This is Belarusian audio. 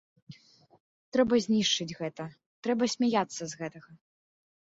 Трэба знішчыць гэта, трэба смяяцца з гэтага.